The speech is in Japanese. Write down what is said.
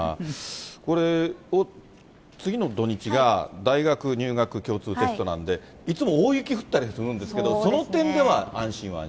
これ、次の土日が大学入学共通テストなんで、いつも大雪降ったりするんですけど、その点では安心は安心。